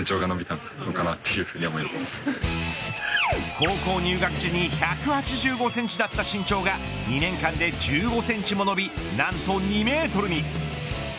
高校入学時に１８５センチだった身長が２年間で１５センチも伸び何と、２メートルに。